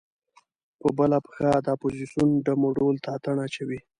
په بله پښه د اپوزیسون ډم و ډول ته اتڼ اچوي.